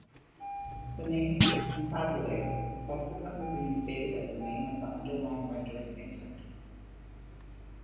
The name Konfabulator was subsequently reinstated as the name of the underlying rendering engine.